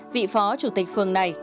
vị phó chủ tịch phường này